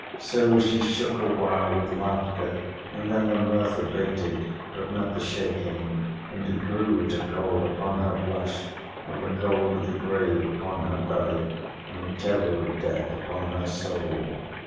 So she shook awhile with laughter; and then the mirth abated but not the shaking; and a grue took hold upon her flesh, and the cold of the grave upon her belly, and the terror of death upon her soul.